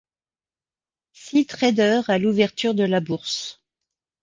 Six traders à l'ouverture de la bourse.